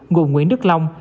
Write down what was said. nguồn nguyễn đức long